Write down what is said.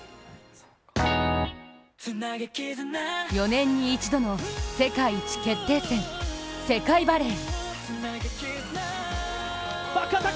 ４年に一度の世界一決定戦、世界バレー。